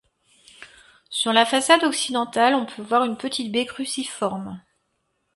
Sur la façade occidentale on peut voir une petite baie cruciforme.